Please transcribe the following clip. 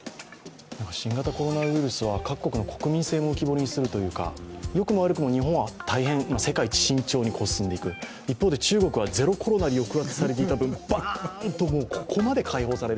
新型コロナウイルスは各国の国民性も浮き彫りにするというかよくも悪くも日本は世界一慎重に進んでいく、一方で中国は、ゼロコロナで抑圧されていた分、バーンと、ここまで解放される